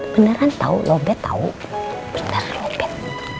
beneran tau lobet tau beneran lobet